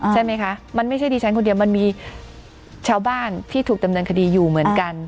ใช่ไหมคะมันไม่ใช่ดิฉันคนเดียวมันมีชาวบ้านที่ถูกดำเนินคดีอยู่เหมือนกัน